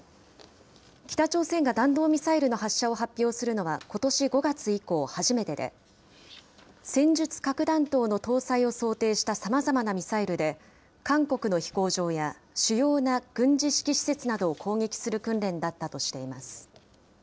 北朝鮮が弾道ミサイルの発射を発表するのはことし５月以降初めてで、戦術核弾頭の搭載を想定したさまざまなミサイルで、韓国の飛行場や、主要な軍事指揮施設などを攻撃する訓練だったとしています。